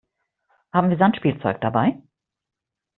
Haben wir Sandspielzeug dabei?